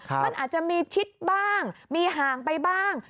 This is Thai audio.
มันอาจจะมีชิดบ้างมีห่างไปบ้าง